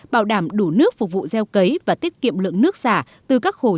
bảo đảm đủ nước phục vụ gieo cấy và tiết kiệm lượng nước